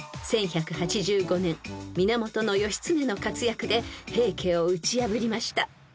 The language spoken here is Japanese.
［１１８５年源義経の活躍で平家を打ち破りました］